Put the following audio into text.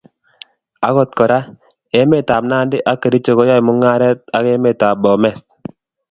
Akot kora, emet ab Nandi ak Kericho koyoei mungaret ak emet ab Bomet